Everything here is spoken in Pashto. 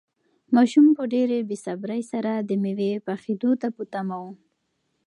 ماشوم په ډېرې بې صبري سره د مېوې پخېدو ته په تمه و.